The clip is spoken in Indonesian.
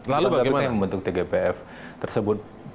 tapi bagaimana yang membentuk tgpf tersebut